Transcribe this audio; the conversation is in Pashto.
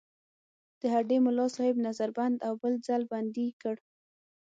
د هډې ملاصاحب نظر بند او بل ځل بندي کړ.